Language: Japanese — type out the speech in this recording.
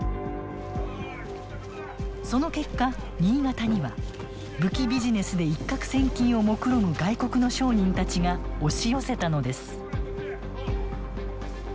その結果新潟には武器ビジネスで一獲千金をもくろむ外国の商人たちが押し寄せたのです。